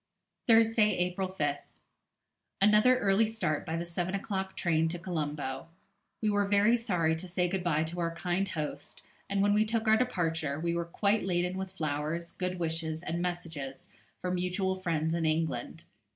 Thursday, April 5th. Another early start by the seven o'clock train to Colombo. We were very sorry to say good bye to our kind host, and when we took our departure, we were quite laden with flowers, good wishes, and messages for mutual friends in England.